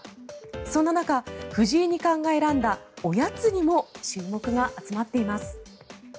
そんな中、藤井二冠が選んだおやつにも注目が集まっています。